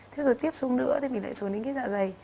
thế rồi tiếp xuống nữa thì mình lại xuống đến cái dạ dày